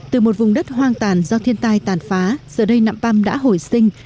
từ một vùng đất hoang tàn do thiên tai tàn phá giờ đây nạm păm đã hồi sinh